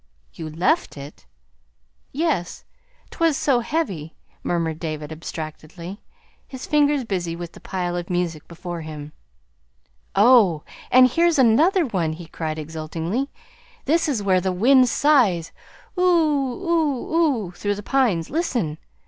"You left it!" "Yes, 't was so, heavy" murmured David abstractedly, his fingers busy with the pile of music before him. "Oh, and here's another one," he cried exultingly. "This is where the wind sighs, 'oou OOU OOU' through the pines. Listen!"